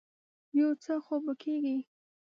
يو څه خو به کېږي.